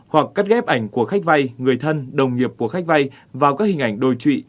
hoặc cắt ghép ảnh của khách vay người thân đồng nghiệp của khách vay vào các hình ảnh đồi trụy